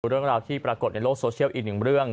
เรื่องราวที่ปรากฏในโลกโซเชียลอีกหนึ่งเรื่อง